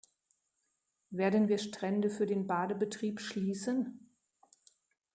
Werden wir Strände für den Badebetrieb schließen?